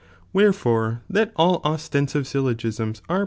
Wherefore that all osfensive syllogisms are j.